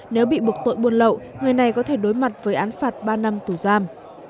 nếu bị buộc tội buôn lậu người này có thể đối mặt với án phạt ba năm tù giam